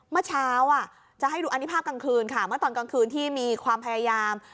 เมื่อเช้าจะให้ดูอันนี้ภาพกลางคืนค่ะเมื่อตอนกลางคืนที่มีความพยายาม